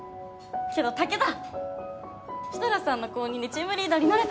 けど武田設楽さんの後任でチームリーダーになれたじゃん。